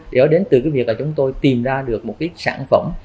điều đó đến từ việc chúng tôi tìm ra được một sản phẩm